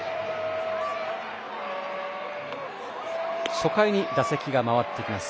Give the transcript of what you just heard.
初回に打席が回ってきます。